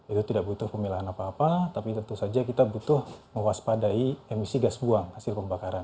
itu tidak butuh pemilahan apa apa tapi tentu saja kita butuh mewaspadai emisi gas buang hasil pembakaran